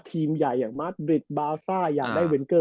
ทีมใหญ่ยังอยาก